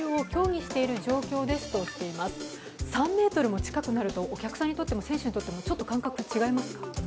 ３ｍも近くなるとお客さんにとっても選手にとってもちょっと感覚が違いますか？